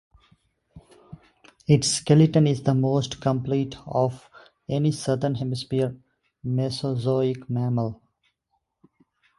Its skeleton is the most complete of any Southern Hemisphere Mesozoic mammal.